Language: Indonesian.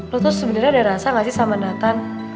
lo tuh sebenernya ada rasa gak sih sama nata